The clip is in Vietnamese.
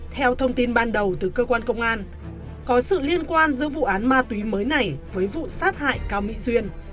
theo thông tin ban đầu từ cơ quan công an có sự liên quan giữa vụ án ma túy mới này với vụ sát hại cao mỹ duyên